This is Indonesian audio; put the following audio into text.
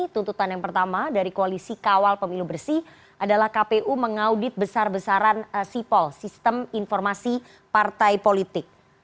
tuntutan yang pertama dari koalisi kawal pemilu bersih adalah kpu mengaudit besar besaran sipol sistem informasi partai politik